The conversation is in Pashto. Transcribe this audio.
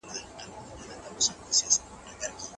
کله چې تاسو بې پرې یاست نو ستاسو خبرې ډېر اغېز لري.